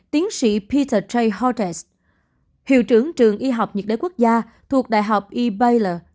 tiến sĩ peter j hortes hiệu trưởng trường y học nhật đế quốc gia thuộc đại học e baylor cho biết